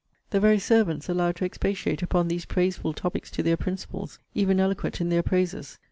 The very servants allowed to expatiate upon these praiseful topics to their principals! Even eloquent in their praises!